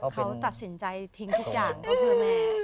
เขาตัดสินใจทิ้งทุกอย่างก็คือแม่